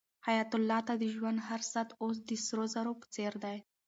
حیات الله ته د ژوند هر ساعت اوس د سرو زرو په څېر دی.